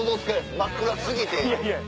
真っ暗過ぎて。